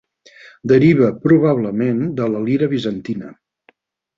Deriva probablement de la lira bizantina.